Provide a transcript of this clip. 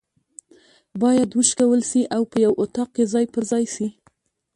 بايد وشکول سي او په یو اطاق کي ځای پر ځای سي